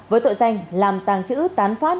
với tội danh làm tàng chữ tán phát